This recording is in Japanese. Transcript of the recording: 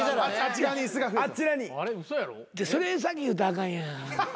それ先言うたらあかんやん。